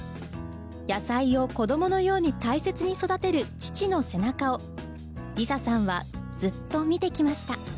野菜を子どものように大切に育てる父の背中を梨紗さんはずっと見てきました。